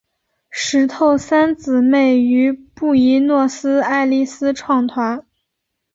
石头三姊妹于布宜诺斯艾利斯创团。